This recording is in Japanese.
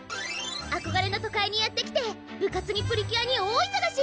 あこがれの都会にやって来て部活にプリキュアに大いそがし！